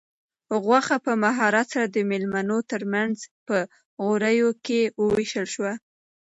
غوښه په مهارت سره د مېلمنو تر منځ په غوریو کې وویشل شوه.